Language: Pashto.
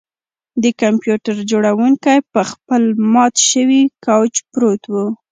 د کمپیوټر جوړونکی په خپل مات شوي کوچ پروت و